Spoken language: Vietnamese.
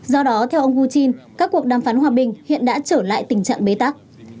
do đó theo ông putin các cuộc đàm phán hòa bình hiện đã trở lại tình trạng bế tắc